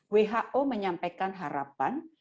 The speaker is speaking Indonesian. who menyampaikan harapan